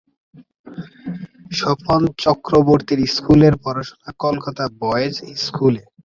স্বপন চক্রবর্তীর স্কুলের পড়াশোনা কলকাতা বয়েজ স্কুলে।